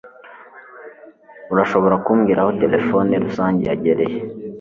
urashobora kumbwira aho terefone rusange yegereye